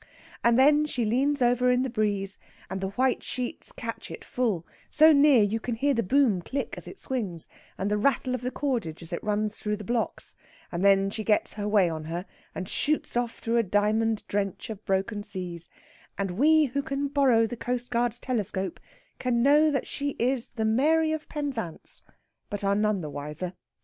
And then she leans over in the breeze, and the white sheets catch it full so near you can hear the boom click as it swings, and the rattle of the cordage as it runs through the blocks and then she gets her way on her, and shoots off through a diamond drench of broken seas, and we who can borrow the coastguard's telescope can know that she is the Mary of Penzance, but are none the wiser.